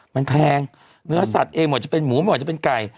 มันแพงเนื้อสัตว์เองหมดจะเป็นหมูหมดจะเป็นไก่